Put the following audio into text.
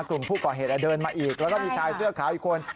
กลุ่มผู้ก่อเหตุเดินมาอีกแล้วก็มีชายเสื้อขาวอีกคน